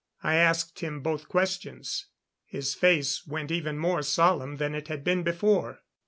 I asked him both questions. His face went even more solemn than it had been before.